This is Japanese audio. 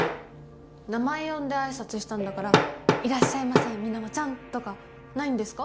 名前呼んで挨拶したんだから「いらっしゃいませ水面ちゃん」とかないんですか？